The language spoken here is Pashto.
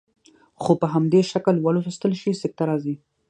خو په همدې شکل ولوستل شي سکته راځي.